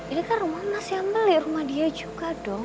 ini kan rumah mas yang beli rumah dia juga dong